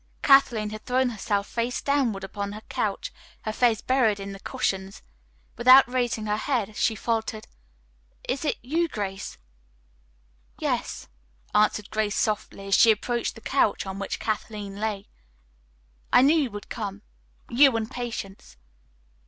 Kathleen had thrown herself face downward upon her couch, her face buried in the cushions. Without raising her head, she faltered, "Is it you, Grace?" "Yes," answered Grace softly, as she approached the couch on which Kathleen lay. "I knew you would come you and Patience."